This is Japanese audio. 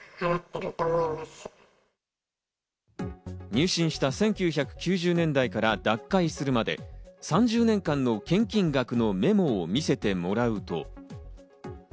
入信した１９９０年代から脱会するまで、３０年間の献金額のメモを見せてもらうと。